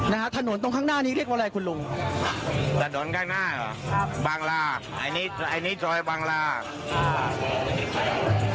ถนนตรงข้างหน้านี้เรียกว่าอะไรคุณลุงแต่โดนข้างหน้าเหรอครับบางลาอันนี้อันนี้ซอยบางลาอ่า